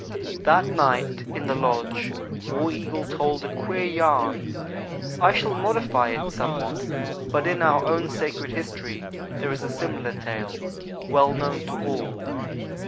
That night in the lodge War Eagle told a queer yarn. I shall modify it somewhat, but in our own sacred history there is a similar tale, well known to all.